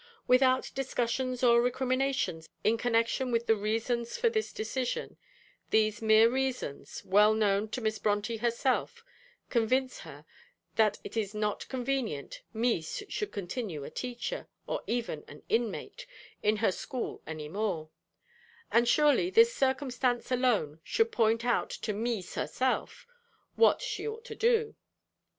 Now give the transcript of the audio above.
Without discussions or recriminations in connection with the reasons for this decision, these mere reasons, well known to Miss Brontë herself, convince her that it is not convenient 'Mees' should continue a teacher, or even an inmate, in her school any more; and surely this circumstance alone should point out to 'Mees' herself, what she ought to do?